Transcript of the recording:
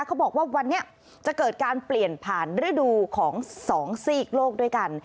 เขาบอกว่าวันนี้จะเกิดการเปลี่ยนผ่านฤดูของ๒ซีกโลกด้วยกัน